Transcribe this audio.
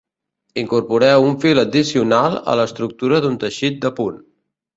Incorporareu un fil addicional a l'estructura d'un teixit de punt.